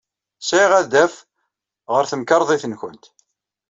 Sɛiɣ adaf ɣer temkarḍit-nwent.